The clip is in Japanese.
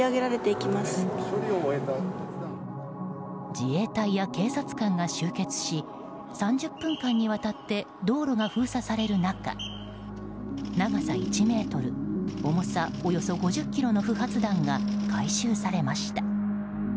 自衛隊や警察官が集結し３０分間にわたって道路が封鎖される中長さ１ｍ、重さおよそ５０ｋｇの不発弾が回収されました。